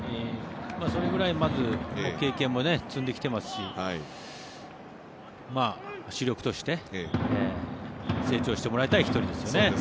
それぐらい経験も積んできてますし主力として成長してもらいたい１人ですよね。